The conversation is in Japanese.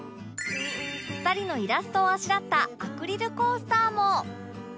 ２人のイラストをあしらったアクリルコースターも